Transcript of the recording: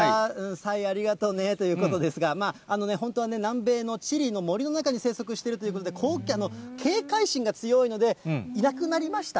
サイ、ありがとうねということですが、本当は、南米のチリの森の中に生息しているということで、警戒心が強いので、いなくなりました。